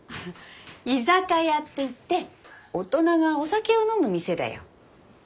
居酒屋っていって大人がお酒を飲む店だよ。